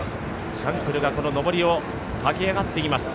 シャンクルがこの上りを駆け上がっていきます。